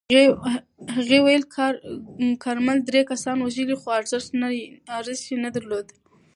هغه ویلي، کارمل درې کسان وژلي خو ارزښت نه یې درلود.